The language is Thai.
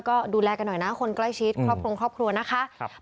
ก็ดูแลกันหน่อยนะคนใกล้ชิดครอบครัวนะคะ